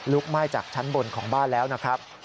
ไหม้จากชั้นบนของบ้านแล้วนะครับ